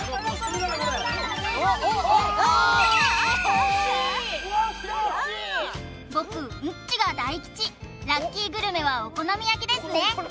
これ僕ンッチが大吉ラッキーグルメはお好み焼きですね